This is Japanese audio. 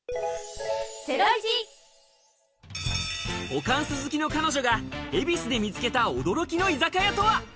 ホカンス好きの彼女が、恵比寿で見つけた驚きの居酒屋とは？